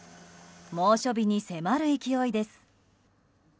猛暑日に迫る勢いです。